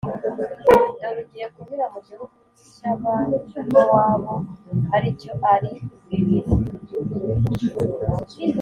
dore ugiye kunyura mu gihugu cy’Abamowabu, ari cyo Ari, bibiri